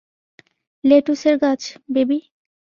লেটুসের গাছ, বেবি!